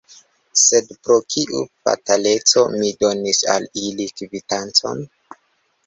Sed pro kiu fataleco mi donis al ili kvitancon?